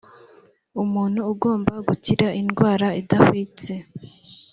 umuntu agomba gukira indwara idahwitse.